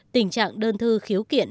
tình trạng đơn thư khiếu kiện